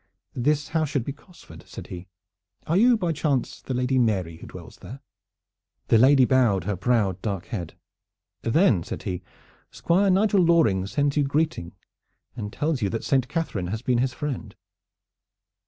"This house should be Cosford," said he. "Are you by chance the Lady Mary who dwells there?" The lady bowed her proud dark head. "Then," said he, "Squire Nigel Loring sends you greeting and tells you that Saint Catharine has been his friend."